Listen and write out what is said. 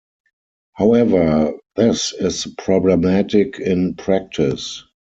However this is problematic in practice.